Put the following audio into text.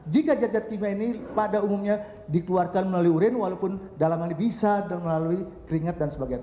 jika jajat kimia ini pada umumnya dikeluarkan melalui urin walaupun dalam hal ini bisa melalui keringat dan sebagainya